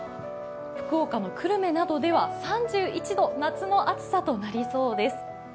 福岡も久留米などでは３１度、夏の暑さとなりそうです。